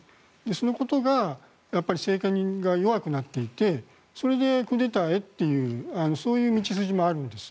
そのことが政権が弱くなっていてそれでクーデターへというそういう道筋もあるんです。